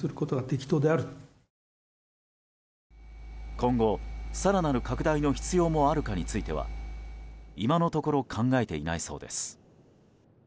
今後、更なる拡大の必要もあるかについては今のところ考えていないそうです。